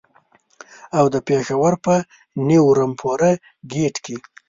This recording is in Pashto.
او د پېښور په نیو رمپوره ګېټ کې.